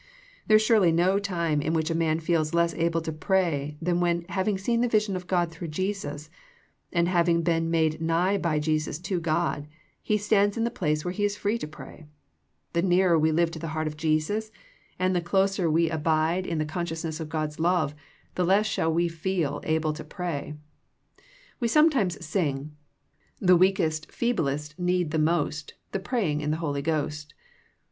There is surely no time in which a man feels less able to pray than when having seen the vision of God through Jesus, and having been made nigh by Jesus to God, he stands in the place where he is free to pra}^ The nearer we live to the heart of Jesus, and the closer we THE PLATFOEM OP PEAYEE 41 abide in the consciousness of God's love the less shall we feel able to pray. We sometimes sing The weakest, feeblest need the most The praying in the Holy Ghost.